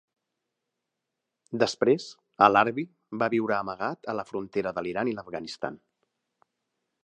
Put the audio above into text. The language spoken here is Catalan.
Després, Al-Harbi va viure amagat a la frontera de l'Iran i l'Afganistan.